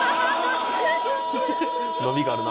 伸びがあるな。